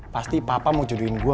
pasti papa mau jodohin gue